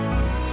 wah itu keren